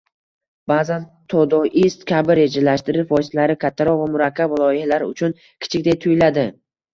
Ba’zan Todoist kabi rejalashtirish vositalari kattaroq va murakkab loyihalar uchun kichikdek tuyuladi